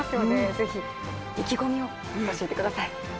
ぜひ意気込みを教えてください。